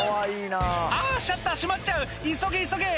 「あぁシャッター閉まっちゃう急げ急げ！」